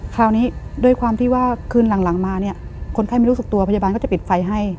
คราวนี้ด้วยความที่ว่าคืนหลังมาเนี่ยคนไข้ไม่รู้สึกตัวพยาบาลก็จะปิดไฟให้